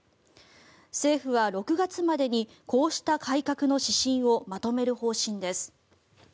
政府は６月までにこうした改革の指針をまとめる方針です。